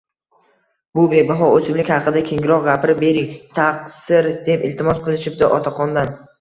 Bu bebaho oʻsimlik haqida kengroq gapirib bering, taqsir, deb iltimos qilishibdi otaxondan